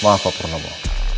maaf pak pernomo